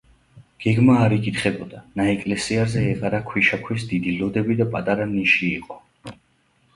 გეგმა არ იკითხებოდა, ნაეკლესიარზე ეყარა ქვიშაქვის დიდი ლოდები და პატარა ნიში იყო.